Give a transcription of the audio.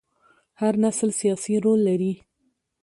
هر نسل سیاسي رول لري